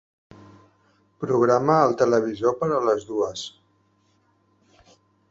Programa el televisor per a les dues.